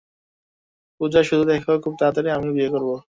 পূজা, শুধু দেখ, খুব তাড়াতাড়ি আমিও বিয়ে করব।